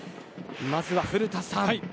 まずは古田さん